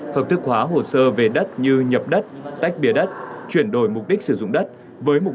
hợp thức hóa hồ sơ về đất như nhập đất tách biệt đất chuyển đổi mục đích sử dụng đất với mục